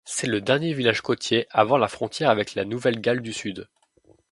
C'est le dernier village côtier avant la frontière avec la Nouvelle-Galles du Sud.